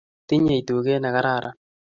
tinyei tuket ne kararan